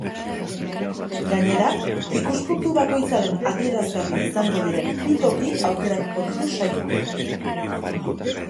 Gainera, ikuspuntu bakoitzaren adierazgarri izango diren bi toki aukeratuko ditu saioak.